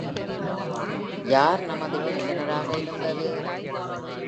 யார் நமது விருந்தினராக இருந்தது?